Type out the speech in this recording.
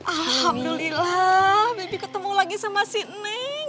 alhamdulillah bibi ketemu lagi sama si neng